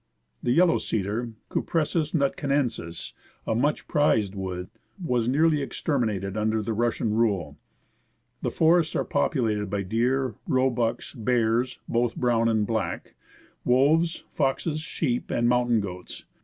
The yellow cedar [Cupresstts mitcanensis), a much prized wood, was nearly exterminated under the Russian rule. The forests are populated by deer, roebucks, bears (both brown and black), wolves, foxes, sheep, and mountain goats.